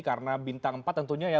karena bintang empat tentunya ya